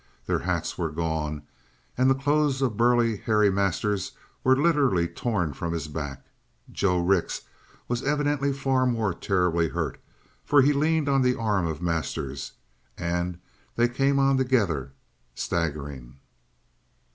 Their hats were gone; and the clothes of burly Harry Masters were literally torn from his back. Joe Rix was evidently far more terribly hurt, for he leaned on the arm of Masters and they came on together, staggering.